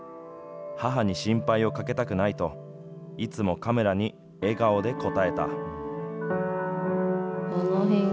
母に心配をかけたくないと、いつもカメラに笑顔で応えた。